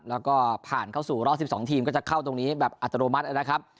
แล้วก็ผ่านเข้าสู่รอบ๑๒ทีมก็จะเข้าตรงนี้แบบอัตโนมัตินะครับ